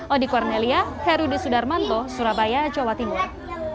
odi kornelia herudi sudarmanto surabaya jawa timur